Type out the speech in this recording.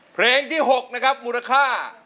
เพลงที่๖นะครับมูลค่า